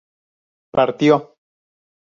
partió